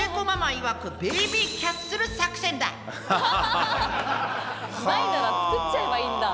いわくないなら作っちゃえばいいんだ。